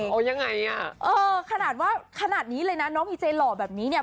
เอายังไงอ่ะเออขนาดว่าขนาดนี้เลยนะน้องพีเจหล่อแบบนี้เนี่ย